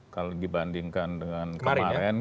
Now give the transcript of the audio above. kalau dibandingkan dengan kemarin